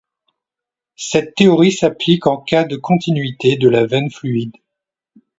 Cette théorie s'applique en cas de continuité de la veine fluide.